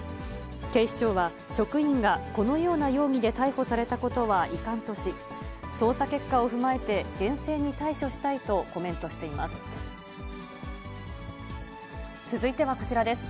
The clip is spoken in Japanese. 警視庁は、職員がこのような容疑で逮捕されたことは遺憾とし、捜査結果を踏まえて、厳正に対処したいとコメントしています。